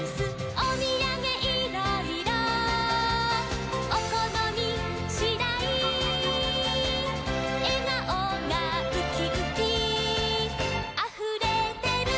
「おみやげいろいろおこのみしだい」「えがおがウキウキあふれてる」